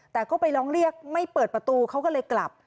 แต่ก็ไปร้องเรียกไม่เปิดประตูเขาก็เลยกลับ